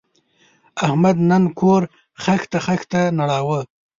احمد نن کور خښته خښته نړاوه.